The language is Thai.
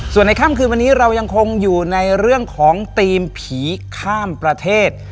ส่วนในค่ำคืนวันนี้เรายังคงอยู่ในเรื่องของทีมผีข้ามประเทศ